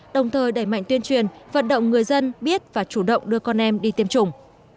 đồng thời đẩy mạnh tuyên truyền vận động người dân biết và chủ động đưa con em đi tiêm chủng